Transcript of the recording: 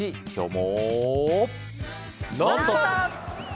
「ノンストップ！」。